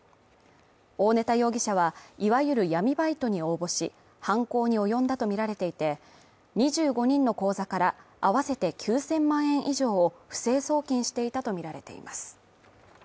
大根田容疑者は、いわゆる闇バイトに応募し、犯行に及んだとみられていて２５人の口座から合わせて９０００万円以上を不正送金していたとみられています。